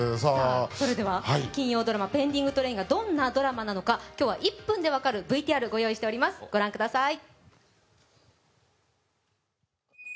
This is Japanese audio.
それでは金曜ドラマ「ペンディングトレイン」がどんなドラマなのか今日は１分でわかるＶＴＲご用意しておりますご覧ください